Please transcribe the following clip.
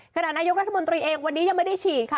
นายกรัฐมนตรีเองวันนี้ยังไม่ได้ฉีดค่ะ